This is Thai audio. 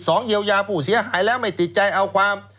เยียวยาผู้เสียหายแล้วไม่ติดใจเอาความ